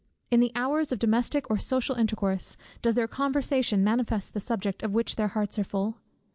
In the hours of domestic or social intercourse, does their conversation manifest the subject of which their hearts are full?